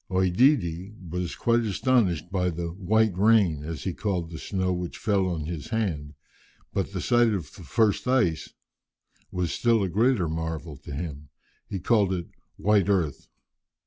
OEdidi was quite astonished by the "white rain," as he called the snow which fell on his hand, but the sight of the first ice was a still greater marvel to him; he called it "white earth."